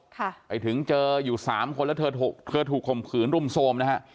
ไปถึงเจออยู่๓คนแล้วเธอถูกข่มขืนรุมโทรม